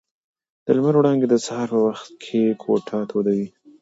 د لمر وړانګې د سهار په وخت کې کوټه تودوي.